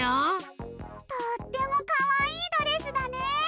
とってもかわいいドレスだね！